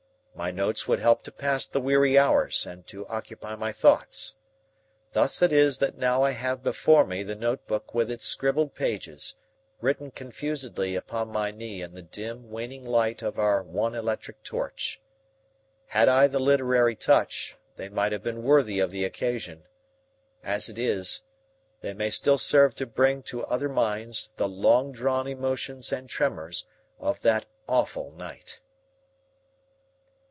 My notes would help to pass the weary hours and to occupy my thoughts. Thus it is that now I have before me the notebook with its scribbled pages, written confusedly upon my knee in the dim, waning light of our one electric torch. Had I the literary touch, they might have been worthy of the occasion. As it is, they may still serve to bring to other minds the long drawn emotions and tremors of that awful night.